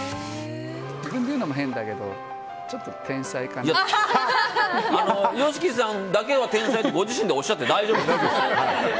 自分で言うのも変だけどＹＯＳＨＩＫＩさんだけは天才だってご自身でおっしゃって大丈夫です。